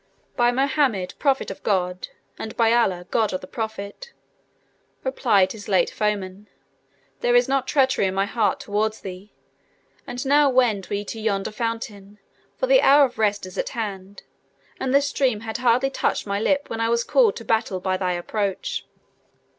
"By Mohammed, Prophet of God, and by Allah, God of the Prophet," replied his late foeman, "there is not treachery in my heart towards thee. And now wend we to yonder fountain, for the hour of rest is at hand, and the stream had hardly touched my lip when I was called to battle by thy approach."